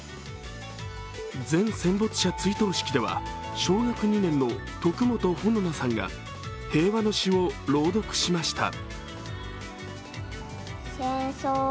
全戦没者追悼式では小学２年の徳元穂菜さんが平和の詩を朗読しました。